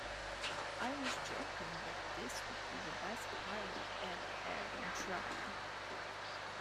I was joking that this would be the best pilot ever aired on Trio.